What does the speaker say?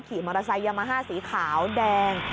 ขี่มอเตอร์ไซค์ยามาฮ่าสีขาวแดง